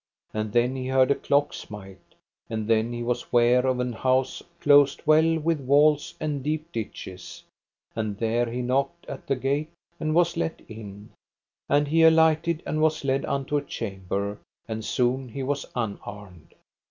And then he heard a clock smite; and then he was ware of an house closed well with walls and deep ditches, and there he knocked at the gate and was let in, and he alighted and was led unto a chamber, and soon he was unarmed.